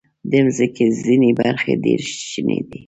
د مځکې ځینې برخې ډېر شنې دي.